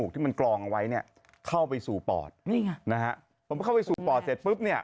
ผมเข้าไปสูปอดเสร็จปุ๊บเนี่ย